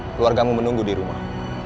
keluargamu menunggu di rumah